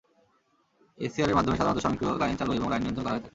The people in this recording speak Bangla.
এসিআরের মাধ্যমে সাধারণত স্বয়ংক্রিয় লাইন চালু এবং লাইন নিয়ন্ত্রণ করা হয়ে থাকে।